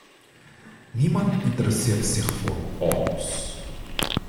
Niemand interesseert zich voor ons.